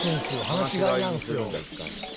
放し飼いなんですよ」